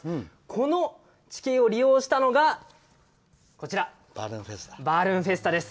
この地形を利用したのがバルーンフェスタです。